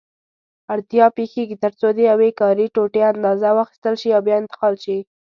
اړتیا پېښېږي ترڅو د یوې کاري ټوټې اندازه واخیستل شي او بیا انتقال شي.